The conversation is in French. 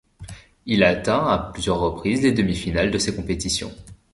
Il atteint à plusieurs reprises les demi-finales de ces compétitions.